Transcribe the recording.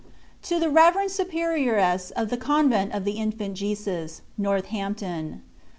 '\ TO THE REVEREND SUPERIORESS OF THB CONVENT OF THE INFANT JESUS, NORTHAMPTON.